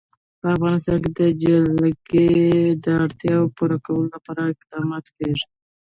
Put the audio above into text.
په افغانستان کې د جلګه د اړتیاوو پوره کولو لپاره اقدامات کېږي.